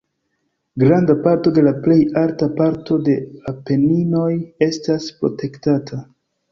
Granda parto de la plej alta parto de Apeninoj estas protektata.